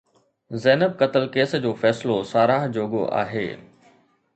زينب قتل ڪيس جو فيصلو ساراهه جوڳو آهي.